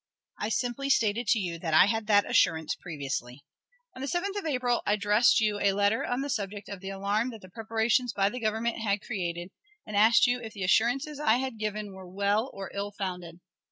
I simply stated to you that I had that assurance previously. On the 7th of April I addressed you a letter on the subject of the alarm that the preparations by the Government had created, and asked you if the assurances I had given were well or ill founded.